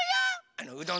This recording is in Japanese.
あのうどん。